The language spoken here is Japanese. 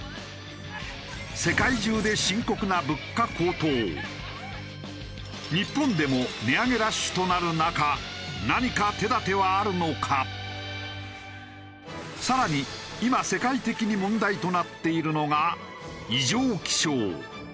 世界中で日本でも値上げラッシュとなる中更に今世界的に問題となっているのが異常気象。